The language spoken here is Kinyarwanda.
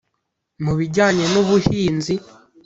mu bijyanye n’ubuhinzi